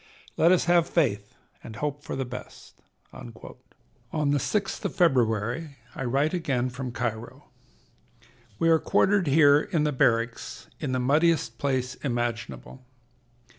Let us have faith, and hope for the best." On the 6th of February I write again from Cairo: "We are quartered here in the barracks, in the muddiest place imaginable.